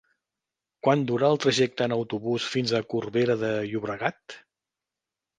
Quant dura el trajecte en autobús fins a Corbera de Llobregat?